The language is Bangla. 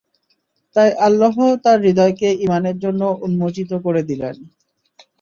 তাই আল্লাহ তাঁর হৃদয়কে ঈমানের জন্য উন্মোচিত করে দিলেন।